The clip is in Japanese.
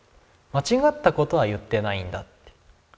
間違ったことは言ってないんだって。